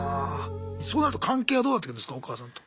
そうなると関係はどうなってくんですかお母さんと。